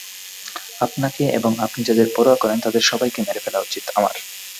আপনাকে এবং আপনি যাদের পরোয়া করেন, তাদের সবাইকে মেরে ফেলা উচিৎ আমার।